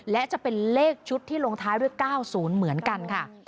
และจะเป็นเลขชุดที่ลงท้ายด้วย๙๐เหมือนกันค่ะ